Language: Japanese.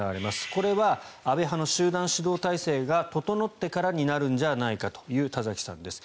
これは安倍派の集団指導体制が整ってからになるんじゃないかという田崎さんです。